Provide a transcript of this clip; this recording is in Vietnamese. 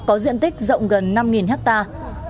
có diện tích rộng gần năm hectare